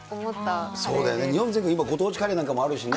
そうだよね、日本全国ご当地カレーなんてあるしね。